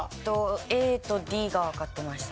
ＡとＤがわかってました。